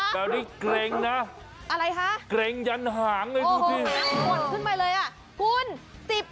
แล้วนี่เกรงนะยันหางเลยดูสิ